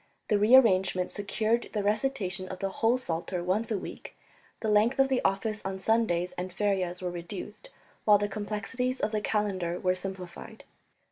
The rearrangement secured the recitation of the whole Psalter once a week, the length of the office on Sundays and ferias was reduced, while the complexities of the calendar were simplified.